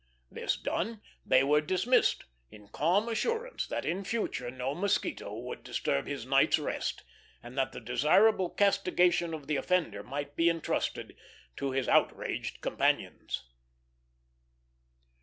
This done, they were dismissed, in calm assurance that in future no mosquito would disturb his night's rest, and that the desirable castigation of the offender might be intrusted to his outraged companions.